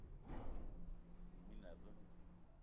Ndoum i na aveu?